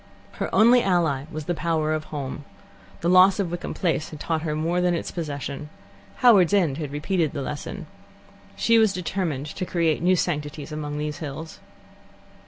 Her only ally was the power of Home. The loss of Wickham Place had taught her more than its possession. Howards End had repeated the lesson. She was determined to create new sanctities among these hills.